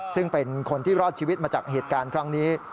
ซึ่งเป็นคนที่รอดชีวิตมาจากเหตุการณ์ครั้งนี้